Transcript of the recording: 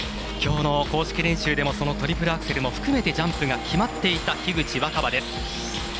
きょうの公式練習でもトリプルアクセルも含めてジャンプが決まっていた樋口新葉です。